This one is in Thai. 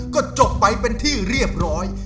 ก็จบไปเป็นที่เรียบร้อย